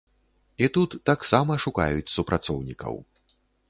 І тут таксама шукаюць супрацоўнікаў.